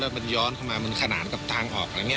มันย้อนเข้ามามันขนาดกับทางออกอะไรอย่างนี้